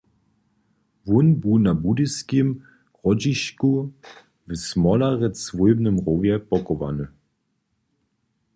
Wón bu na Budyskim Hrodźišku w Smolerjec swójbnym rowje pochowany.